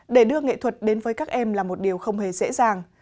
để đưa nghệ thuật đến với các em là một điều không hề dễ dàng